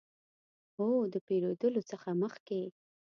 هو، د پیرودلو څخه مخکې